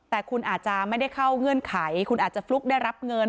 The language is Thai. แต่คุณอาจจะไม่ได้เข้าเงื่อนไขคุณอาจจะฟลุกได้รับเงิน